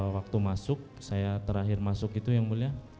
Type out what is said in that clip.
waktu masuk saya terakhir masuk itu yang mulia